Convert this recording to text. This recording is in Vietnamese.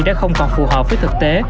đã không còn phù hợp với thực tế